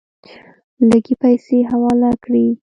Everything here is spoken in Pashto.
لږې پیسې حواله کړې.